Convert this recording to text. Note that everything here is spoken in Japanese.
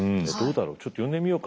ちょっと呼んでみようか。